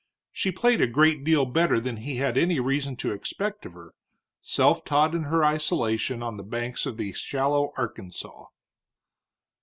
She played a great deal better than he had any reason to expect of her, self taught in her isolation on the banks of the shallow Arkansas.